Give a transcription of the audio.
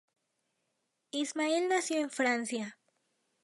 Ismael nació en Francia.